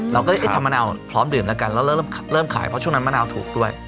เราก็เลยทำมะนาวพร้อมดื่มแล้วกันแล้วเริ่มขายเพราะช่วงนั้นมะนาวถูกด้วย